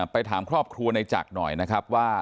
ไปถามครอบครัวในจักรหน่อยนะครับว่า